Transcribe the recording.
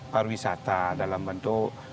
parwisata dalam bentuk